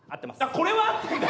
これは合ってんだ！？